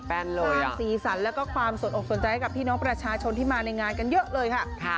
สร้างศีรษรและความสดอกสนใจกับพี่น้องประชาชนที่มาในงานกันเยอะเลยค่ะ